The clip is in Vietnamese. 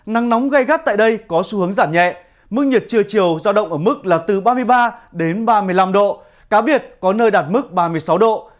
nắng nóng gai gắt tại đây có xu hướng giảm nhẹ mức nhiệt trưa chiều giao động ở mức là từ ba mươi ba đến ba mươi năm độ cá biệt có nơi đạt mức ba mươi sáu độ